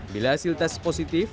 bila hasil tes positif